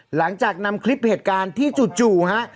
หลังจากนำคลิปเหตุการณ์ที่จู่ฮะ